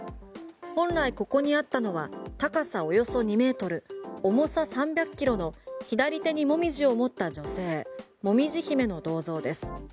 本来ここにあったのは高さおよそ２ｍ重さ３００キロの左手に紅葉を持った女性もみじ姫の銅像です。